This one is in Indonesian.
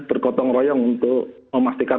bergotong royong untuk memastikan